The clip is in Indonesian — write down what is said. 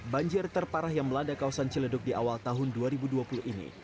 banjir terparah yang melanda kawasan ciledug di awal tahun dua ribu dua puluh ini